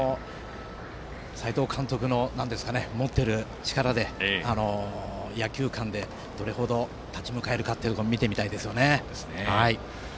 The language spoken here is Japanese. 斎藤監督の持っている野球観でどれほど立ち向かえるかを見てみたいですよね。